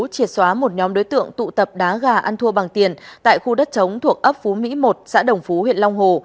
triệt xóa một nhóm đối tượng tụ tập đá gà ăn thua bằng tiền tại khu đất chống thuộc ấp phú mỹ một xã đồng phú huyện long hồ